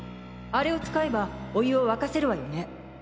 あれを使えばお湯を沸かせるわよね？